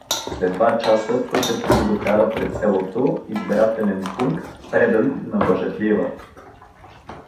След два часа пътят му го докара пред селото, избирателен пункт, предан на Бажаклиева.